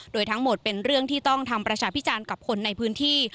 โดยทั้งหมดเป็นเรื่องที่ต้องทำประชาพิจารณ์กับคนในพื้นที่